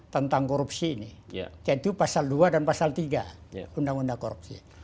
tentang korupsi ini yaitu pasal dua dan pasal tiga undang undang korupsi